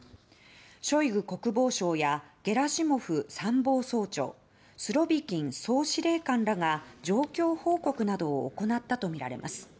ショイグ国防相やゲラシモフ参謀総長スロビキン総司令官らが状況報告などを行ったとみられます。